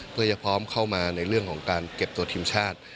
เพื่อจะพร้อมเข้ามาในเรื่องของการเก็บตัวทีมชาติ